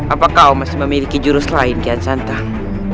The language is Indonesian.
apakah kau masih memiliki jurus lain kian santa